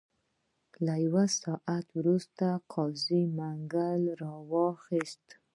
له یو ساعت وروسته قاضي منګی را واخیست.